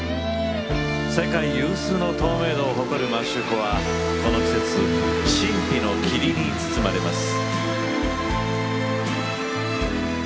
世界有数の透明度を誇る摩周湖はこの季節、神秘の霧に包まれます。